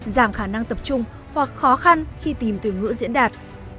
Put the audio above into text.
giảm khả năng tập trung hoặc khó khăn khi tìm từ ngữ diễn đạt